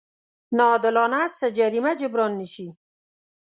ناعادلانه څه جريمه جبران نه شي.